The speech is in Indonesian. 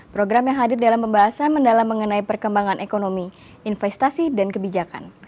program yang hadir dalam pembahasan mendalam mengenai perkembangan ekonomi investasi dan kebijakan